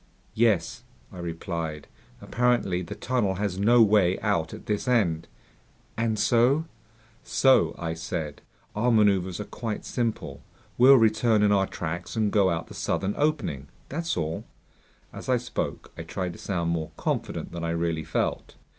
"Yes," I replied. "Apparently the tunnel has no way out at this end." "And so ...?" "So," I said, "our maneuvers are quite simple. We'll return in our tracks and go out the southern opening. That's all." As I spoke, I tried to sound more confident than I really felt.